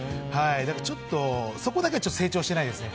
ちょっとそこだけは成長してないですね。